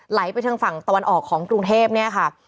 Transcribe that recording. ไหลไปทางฝั่งตะวันออกของกรุงเทพเนี่ยค่ะ